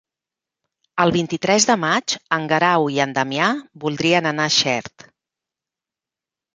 El vint-i-tres de maig en Guerau i en Damià voldrien anar a Xert.